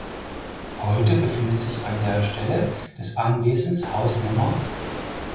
Heute befindet sich an der Stelle des Anwesens Haus Nr.